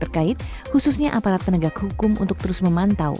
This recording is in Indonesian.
kepada aplikasi yang terkait khususnya aparat penegak hukum untuk terus memantau